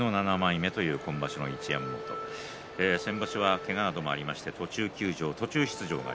一山本、先場所はけがなどもありまして途中休場、途中出場